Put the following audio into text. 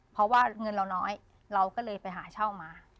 เพราะว่าเงินเราน้อยเราก็เลยไปหาเช่ามา